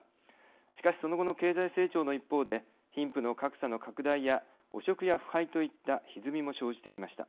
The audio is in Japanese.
しかしその後の経済成長の一方で貧富の格差の拡大や汚職や腐敗といったひずみも生じてきました。